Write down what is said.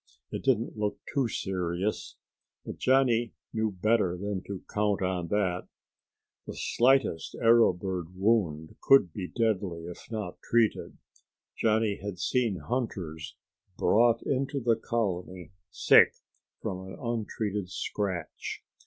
It didn't look too serious, but Johnny knew better than to count on that. The slightest arrow bird wound could be deadly if not treated. Johnny had seen hunters brought into the colony sick from an untreated scratch.